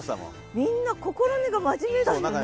みんな心根が真面目だよね。